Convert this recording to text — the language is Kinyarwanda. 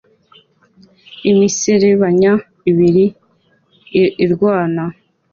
Imiserebanya ibiri irwana